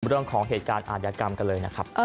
เรื่องของเหตุการณ์อาทยากรรมกันเลยนะครับ